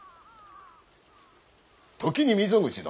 時に溝口殿。